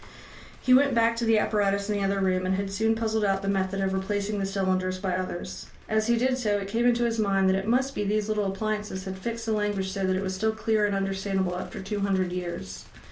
He went back to the apparatus in the other room, and had soon puzzled out the method of replacing the cylinders by others. As he did so, it came into his mind that it must be these little appliances had fixed the language so that it was still clear and understandable after two hundred years.